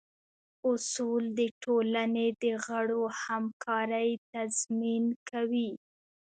اصول د ټولنې د غړو همکارۍ تضمین کوي.